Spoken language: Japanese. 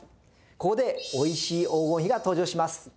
ここでおいしい黄金比が登場します。